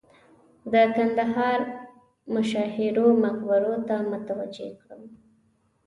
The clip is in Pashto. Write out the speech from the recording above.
د کندهار مشاهیرو مقبرو ته متوجه کړم.